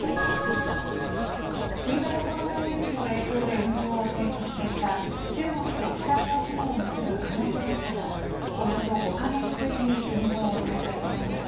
新型コロナウイルスの影響で運行を停止していた中国と北朝鮮を結ぶ貨物列車がおよそ５か月ぶりに運行を再開しました。